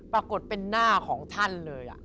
ปรากฏเป็นหน้าของท่านเลย